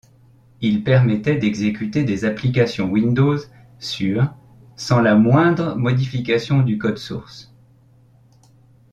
Il permettait d'exécuter des applications Windows sur sans la moindre modification du code-source.